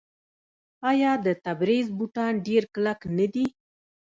آیا د تبریز بوټان ډیر کلک نه دي؟